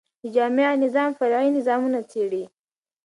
د جامع نظام، فرعي نظامونه څيړي.